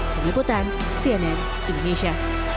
penyebutan cnn indonesia